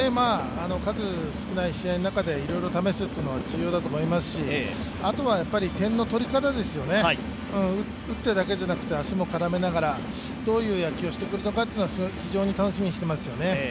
数少ない試合の中でいろいろ試すというのは重要だと思いますしあとは点の取り方ですよね、打つだけではなくて足も絡めながら、どういう野球をしてくるかというのは非常に楽しみにしてますよね。